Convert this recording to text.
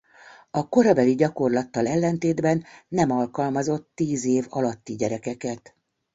A korabeli gyakorlattal ellentétben nem alkalmazott tíz év alatti gyerekeket.